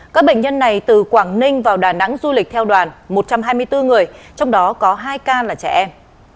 các bệnh nhân này từ quảng ninh vào đà nẵng du lịch theo đoàn một trăm hai mươi bốn người trong đó có hai ca là trẻ em